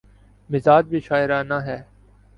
مزاج بھی شاعرانہ ہے۔